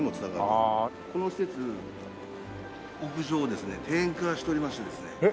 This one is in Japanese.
この施設屋上をですね庭園化しておりましてですね。えっ？